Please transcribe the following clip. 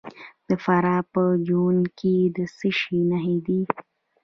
د فراه په جوین کې د څه شي نښې دي؟